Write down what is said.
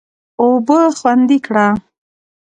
اوبه خوندي کړه.